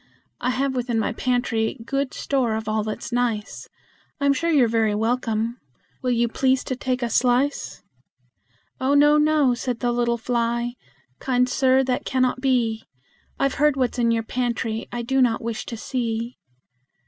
I have within my pantry good store of all that's nice; I'm sure you're very welcome will you please to take a slice?" "Oh no, no," said the little fly; "kind sir, that cannot be: I've heard what's in your pantry, and I do not wish to see!"